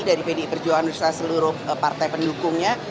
dari pdi perjuangan dan berserta seluruh partai pendukungnya